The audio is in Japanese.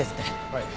はい。